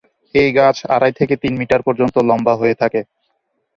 এই গাছ আড়াই থেকে তিন মিটার পর্যন্ত লম্বা হয়ে থাকে।